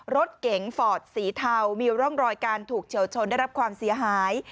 รถเก๋งฟอร์ดสีเทามีร่องรอยการถูกเฉียวชนได้รับความเสียหาย